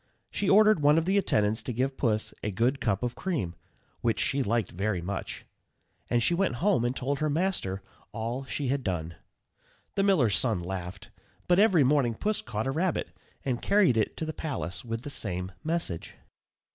She ordered one of the attendants to give Puss a good cup of cream, which she liked very much; and she went home and told her master all she had done. The miller's son laughed; but every morning Puss caught a rabbit, and carried it to the palace with the same message.